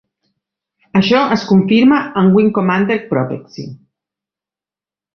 Això es confirma en "Wing Commander: Prophecy".